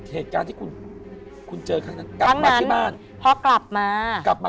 เหตุการณ์ที่คุณคุณเจอครั้งนั้นกลับมาที่บ้านพอกลับมากลับมา